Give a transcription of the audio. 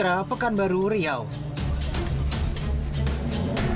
sampai jumpa di video selanjutnya